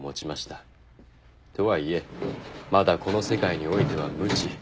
とはいえまだこの世界においては無知。